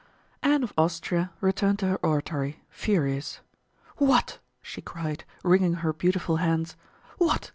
Anne of Austria returned to her oratory, furious. "What!" she cried, wringing her beautiful hands, "What!